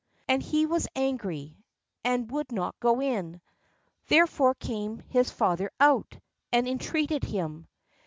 And he was angry, and would not go in : therefore THE PRODIGAL SON came his father out, and entreated him.